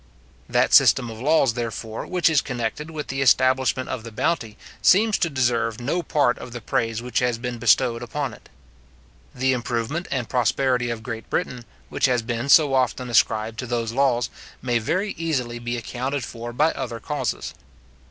That system of laws, therefore, which is connected with the establishment of the bounty, seems to deserve no part of the praise which has been bestowed upon it. The improvement and prosperity of Great Britain, which has been so often ascribed to those laws, may very easily be accounted for by other causes.